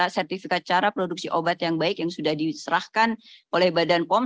sertifikat cara produksi obat yang baik yang sudah diserahkan oleh badan pom